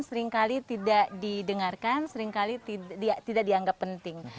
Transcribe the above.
seringkali tidak didengarkan seringkali tidak dianggap penting